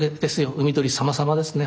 海鳥様様ですね